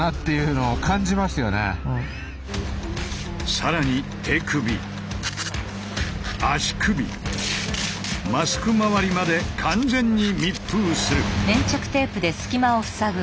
更に手首足首マスクまわりまで完全に密封する。